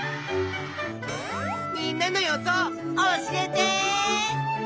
みんなの予想教えて！